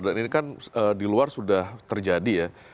di luar sudah terjadi ya